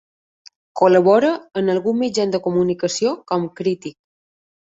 Col·labora en alguns mitjans de comunicació, com Crític.